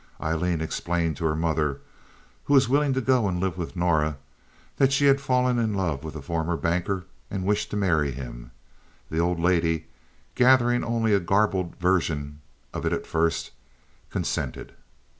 Aileen explained to her mother, who was willing to go and live with Norah, that she had fallen in love with the former banker and wished to marry him. The old lady, gathering only a garbled version of it at first, consented.